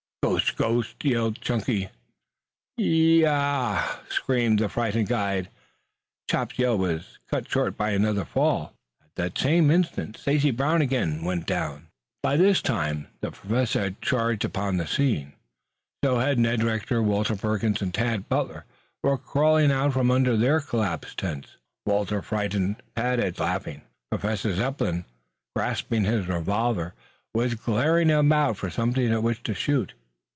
"Ghost! Ghost!" yelled Chunky. "Yi i i i yah!" screamed the frightened guide. Chops's yell was cut short by another fall. At the same instant Stacy Brown again went down. By this time the Professor had charged upon the scene. So had Ned Rector. Walter Perkins and Tad Butler were crawling out from under their collapsed tent, Walter frightened, Tad laughing. Professor Zepplin, grasping his revolver, was glaring about for something at which to shoot.